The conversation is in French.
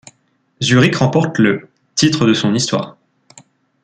Zurich remporte le titre de son histoire.